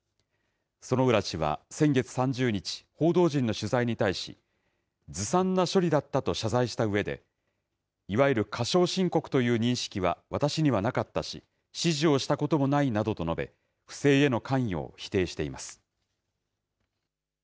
薗浦氏は先月３０日、報道陣の取材に対し、ずさんな処理だったと謝罪したうえで、いわゆる過少申告という認識は私にはなかったし、指示をしたこともないなどと述べ、不正への関与を否定しています。